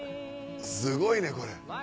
すごいねこれ。